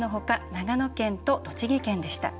長野県と栃木県でした。